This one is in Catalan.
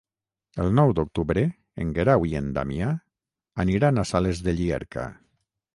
El nou d'octubre en Guerau i en Damià aniran a Sales de Llierca.